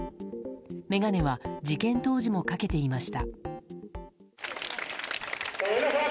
眼鏡は事件当時もかけていました。